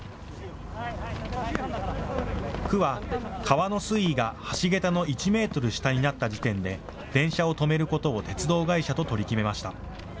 区は川の水位が橋桁の１メートル下になった時点で電車を止めることを鉄道会社と取り決めました。